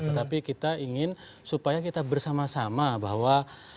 tetapi kita ingin supaya kita bersama sama bahwa